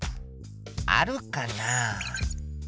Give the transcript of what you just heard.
あるかな？